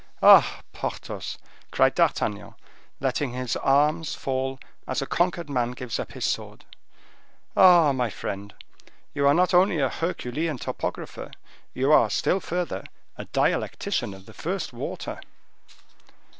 "Ah! Porthos," cried D'Artagnan, letting his arms fall as a conquered man gives up his sword; "ah! my friend, you are not only a Herculean topographer, you are, still further, a dialectician of the first water."